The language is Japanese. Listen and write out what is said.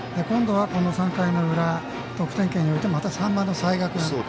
今度はこの３回の裏得点圏に置いてまた３番の齊賀君。